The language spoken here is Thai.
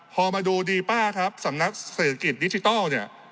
พอมาดูดีป้าครับสำนักเศรษฐกิจดิจิทัลเนี่ย